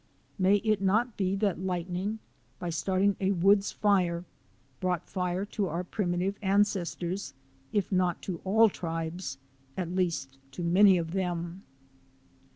May it not be that light ning, by starting a woods fire, brought Fire to our primitive ancestors, if not to all tribes, at least to many of them